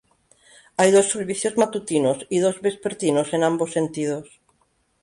Hay dos servicios matutinos y dos vespertinos en ambos sentidos.